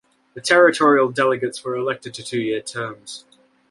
The territorial delegates were elected to two-year terms.